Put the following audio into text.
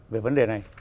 về vấn đề này